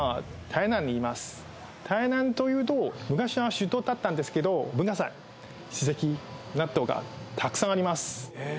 台南というと昔は首都だったんですけど文化遺産史跡などがたくさんあります